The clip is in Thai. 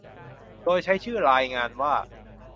โดยใช้ชื่อรายงานว่า